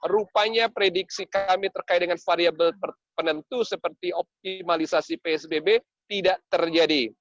rupanya prediksi kami terkait dengan variable penentu seperti optimalisasi psbb tidak terjadi